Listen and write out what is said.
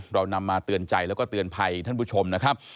เรานำมาเตือนใจแล้วก็เตือนภัยท่านผู้ชมนะครับ